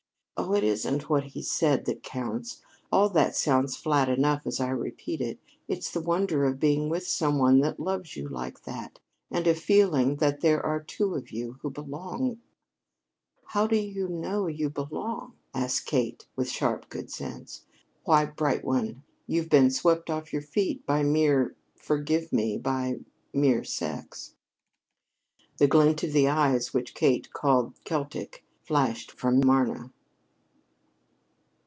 Oh, it isn't what he said that counts. All that sounds flat enough as I repeat it. It's the wonder of being with some one that loves you like that and of feeling that there are two of you who belong " "How do you know you belong?" asked Kate with sharp good sense. "Why, bright one, you've been swept off your feet by mere forgive me by mere sex." That glint of the eyes which Kate called Celtic flashed from Marna.